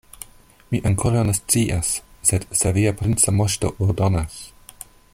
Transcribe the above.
Mi ankoraŭ ne scias; sed se via princa moŝto ordonas.